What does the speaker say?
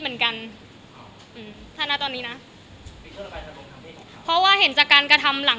พูดออกมาคนอื่นที่ไม่อยากเป็นหน้าขาวทั่วไป